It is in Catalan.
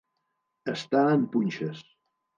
Estar en punxes.